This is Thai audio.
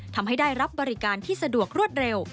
ทำให้ได้รับบริการที่สะดวกรวดเร็ว